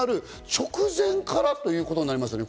直前からということになりますね。